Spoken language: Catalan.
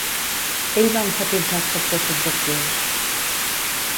Ell va emfatitzar els factors subjectius.